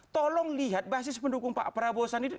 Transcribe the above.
tolong lihat basis pendukung pak prabowo sandi